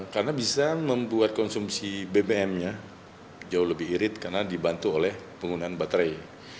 karena bisa membuat konsumsi bbm nya jauh lebih irit karena dibantu oleh penggunaan baterai